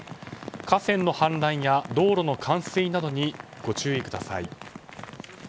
河川の氾濫や道路の冠水などにご注意ください。